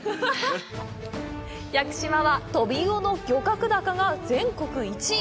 屋久島はトビウオの漁獲高が全国１位。